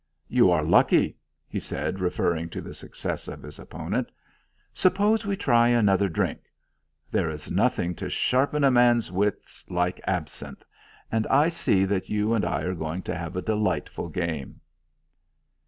"You are lucky," he said, referring to the success of his opponent. "Suppose we try another drink. There is nothing to sharpen a man's wits like absinthe, and I see that you and I are going to have a delightful game."